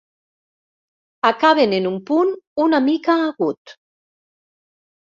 Acaben en un punt una mica agut.